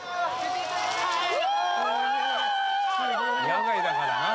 野外だからな。